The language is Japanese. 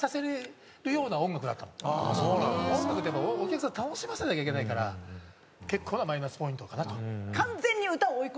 音楽ってお客さん楽しませなきゃいけないから結構なマイナスポイントかなと。